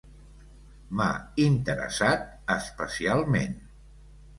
M'ha interessat especialment